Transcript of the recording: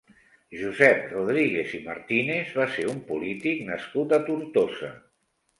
Josep Rodríguez i Martínez va ser un polític nascut a Tortosa.